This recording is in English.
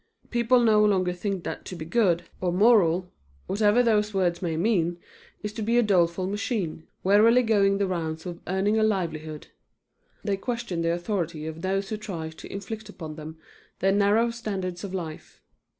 People no longer think that to be good or moral whatever those words may mean, is to be a doleful machine, wearily going the rounds of earning a livelihood. They question the authority of those who try to inflict upon them their narrow standards of life.